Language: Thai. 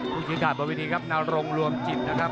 ผู้ชิงฆ่าบริษฐีครับนารงรวมจิตนะครับ